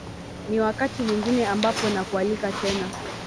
ni wakati mwingine ambapo nakualika tena